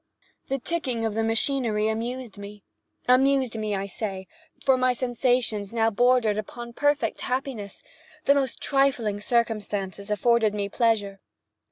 The ticking of the machinery amused me. Amused me, I say, for my sensations now bordered upon perfect happiness, and the most trifling circumstances afforded me pleasure.